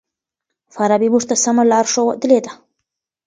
فارابي موږ ته سمه لار ښودلې ده.